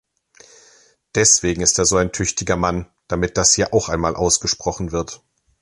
Deswegen ist er so ein tüchtiger Mann damit das hier auch einmal ausgesprochen wird!